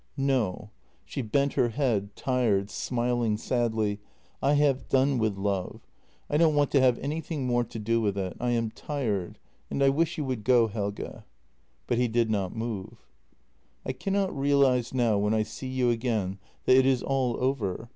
"No." She bent her head, tired, smiling sadly: "I have done with love; I don't want to have anything more to do with it. I am tired, and I wish you would go, Helge." But he did not move. " I cannot realize now when I see you again that it is all over.